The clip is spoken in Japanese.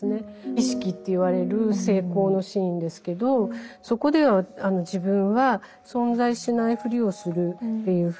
「儀式」って言われる性交のシーンですけどそこでは自分は存在しないふりをするというふうに出てきますね。